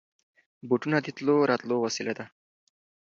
بوټونه د تلو راتلو وسېله ده.